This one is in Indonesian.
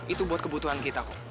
itu buat kebutuhan kita kok